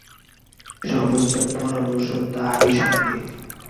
সমস্ত পরামর্শ তাহারই সঙ্গে।